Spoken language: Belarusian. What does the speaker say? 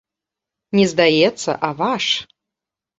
Не здаецца, а ваш!